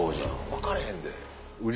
分かれへんで。